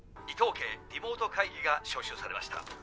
伊藤家リモート会議が招集されました。